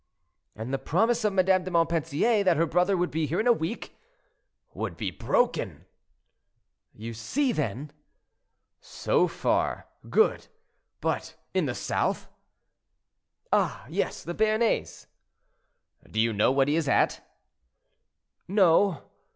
"And the promise of Madame de Montpensier that her brother would be here in a week—" "Would be broken." "You see, then?" "So far, good; but in the south—" "Ah, yes; the Béarnais—" "Do you know what he is at?" "No."